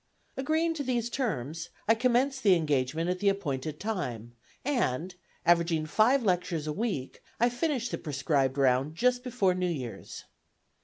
Agreeing to these terms, I commenced the engagement at the appointed time, and, averaging five lectures a week, I finished the prescribed round just before New Year's.